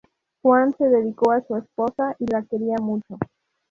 Juan se dedicó a su esposa y la quería mucho.